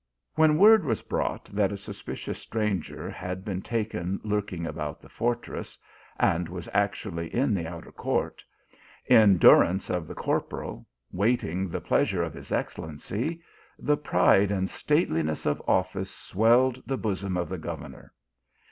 When word was brought that a suspicious stranger had been taken lurking about the fortress, and was actually in the outer court, in durance of the cor poral, waiting the pleasure of his excellency, the pride and stateliness of office swelled the bosom of the governor.